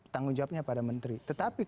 tanggung jawabnya pada menteri terlalu banyak